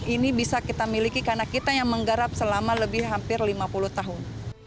ini bisa kita miliki karena kita yang menggarap selama lebih hampir lima puluh tahun